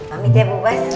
pamit ya bukas